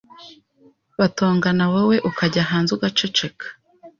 batongana wowe ukajya hanze ugaceceka